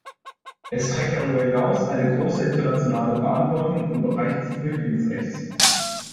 Es trägt darüber hinaus eine große internationale Verantwortung im Bereich des Flüchtlingsrechts.